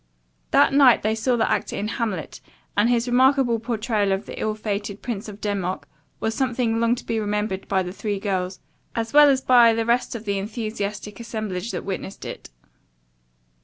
That night they saw the actor in "Hamlet," and his remarkable portrayal of the ill fated Prince of Denmark was something long to be remembered by the three girls as well as by the rest of the enthusiastic assemblage that witnessed it.